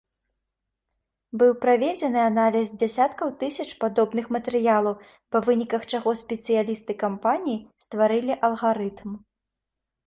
Быў праведзены аналіз дзясяткаў тысяч падобных матэрыялаў, па выніках чаго спецыялісты кампаніі стварылі алгарытм.